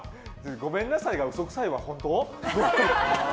ごめんなさいが嘘くさいは本当？